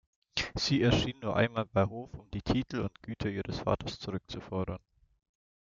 Sie erschien nur einmal bei Hof, um die Titel und Güter ihres Vaters zurückzufordern.